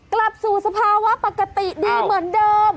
กลับสู่สภาวะปกติดีเหมือนเดิม